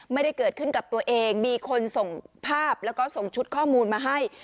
ไม่ได้เกิดขึ้นกับตัวเองมีคนส่งภาพแล้วก็ส่งชุดข้อมูลมาให้